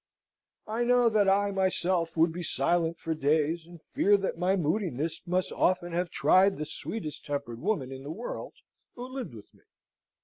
I know that I myself would be silent for days, and fear that my moodiness must often have tried the sweetest tempered woman in the world who lived with me.